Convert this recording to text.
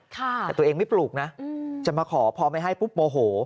แต่ตัวเองไม่ปลูกนะจะมาขอพอไม่ให้ปุ๊บโมโห